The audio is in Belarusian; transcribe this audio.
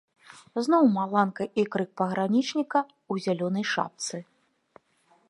Зноў маланка і крык пагранічніка ў зялёнай шапцы.